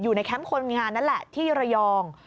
แคมป์คนงานนั่นแหละที่ระยอง